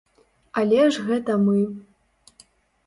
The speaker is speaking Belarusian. Але ж гэта мы.